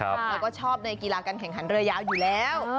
แล้วก็ชอบในกีฬาการแข่งขันเรือยาวอยู่แล้ว